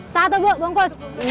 satu bu bungkus